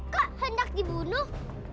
kok hendak dibunuh